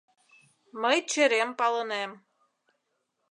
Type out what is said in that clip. Мый черем палынем